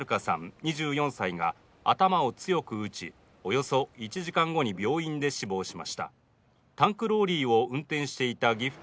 ２４歳が頭を強く打ちおよそ１時間後に病院で死亡しましたタンクローリーを運転していた岐阜県